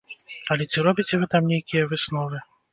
Але ці робіце вы там нейкія высновы?